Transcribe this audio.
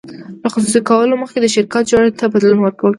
له خصوصي کولو مخکې د شرکت جوړښت ته بدلون ورکول کیږي.